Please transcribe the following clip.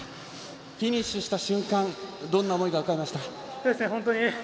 フィニッシュした瞬間どんな思いが浮かびましたか。